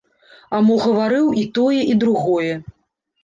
А мо гаварыў і тое і другое.